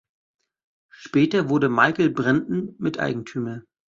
Später wurde Michael Brandon Miteigentümer.